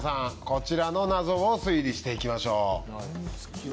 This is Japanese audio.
こちらの謎を推理していきましょう。